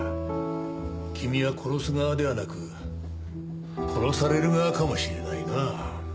君は殺す側ではなく殺される側かもしれないな。